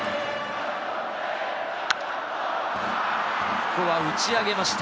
ここは打ち上げました。